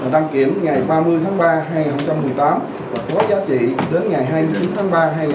đăng kiểm ngày ba mươi tháng ba hai nghìn một mươi tám có giá trị đến ngày hai mươi chín tháng ba hai nghìn một mươi chín